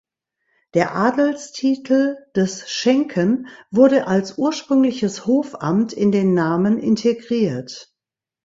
Der Adelstitel des Schenken wurde als ursprüngliches Hofamt in den Namen integriert.